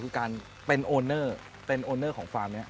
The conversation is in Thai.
คุณต้องเป็นผู้งาน